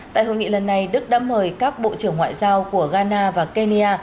tại hội nghị lần này đức đã mời các bộ trưởng ngoại giao của ghana và kenya